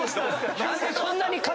何でそんなに。